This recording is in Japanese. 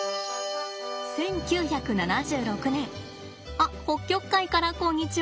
あっ北極海からこんにちは。